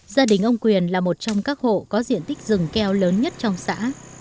gia đình ông quyền là một trong các hộ có diện tích rừng keo lớn nhất trong xã